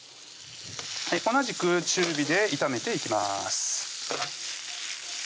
同じく中火で炒めていきます